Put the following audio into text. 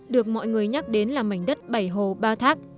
được mọi người nhắc đến là mảnh đất bảy hồ ba thác